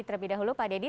terlebih dahulu pak dedy